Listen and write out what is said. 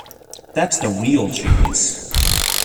That's the real cheese.